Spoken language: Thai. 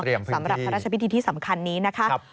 สำหรับพระราชพิธีที่สำคัญนี้นะคะ